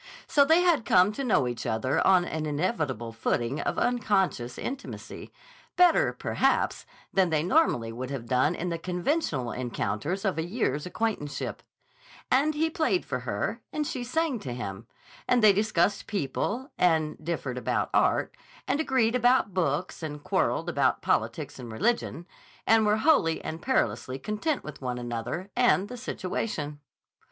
So they had come to know each other on an inevitable footing of unconscious intimacy, better, perhaps, than they normally would have done in the conventional encounters of a year's acquaintanceship; and he played for her and she sang to him; and they discussed people and differed about art, and agreed about books and quarreled about politics and religion, and were wholly and perilously content with one another and the situation.